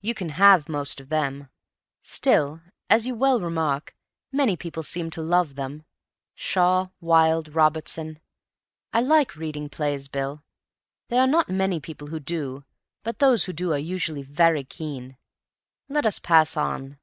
You can have most of them. Still, as you well remark, many people seem to love them. Shaw, Wilde, Robertson—I like reading plays, Bill. There are not many people who do, but those who do are usually very keen. Let us pass on."